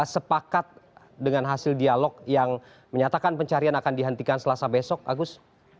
sepakat dengan hasil dialog yang menyatakan pencarian akan dihentikan selasa besok agus